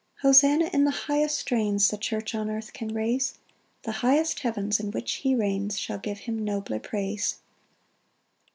5 Hosanna in the highest strains The church on earth can raise; The highest heavens, in which he reigns, Shall give him nobler praise.